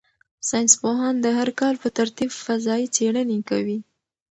ساینس پوهان د هر کال په ترتیب فضايي څېړنې کوي.